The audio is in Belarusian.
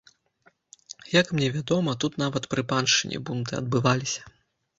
Як мне вядома, тут нават пры паншчыне бунты адбываліся.